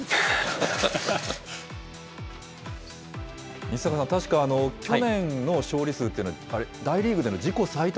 西阪さん、確か去年の勝利数って、大リーグでの自己最多